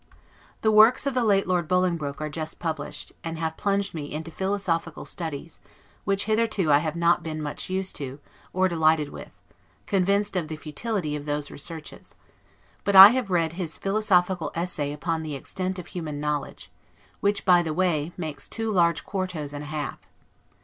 The works of the late Lord Bolingbroke are just published, and have plunged me into philosophical studies; which hitherto I have not been much used to, or delighted with; convinced of the futility of those researches; but I have read his "Philosophical Essay" upon the extent of human knowledge, which, by the way, makes two large quartos and a half.